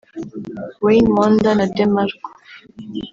Wayne Wonder na DeMarco